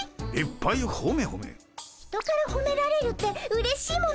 人からほめられるってうれしいものじゃないですか。